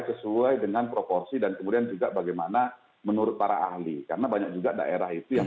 sesuai dengan proporsi dan kemudian juga bagaimana menurut para ahli karena banyak juga daerah itu yang